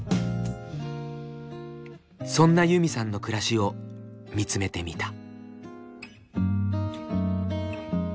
そんなユミさんの暮らしを見つめてみた。